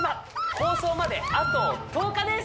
放送まであと１０日です！